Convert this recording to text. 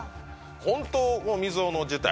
本当の未曽有の事態